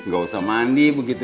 gak usah mandi begitu